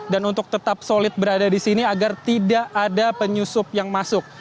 dan untuk tetap solid berada di sini agar tidak ada penyusup yang masuk